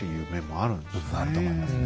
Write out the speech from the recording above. あると思いますね。